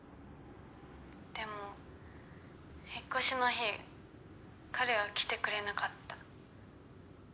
でも引っ越しの日彼は来てくれなかった。